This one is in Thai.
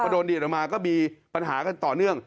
โดนดีดออกมาก็มีปัญหากันต่อเนื่อง